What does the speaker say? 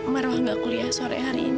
marwah nggak kuliah sore hari ini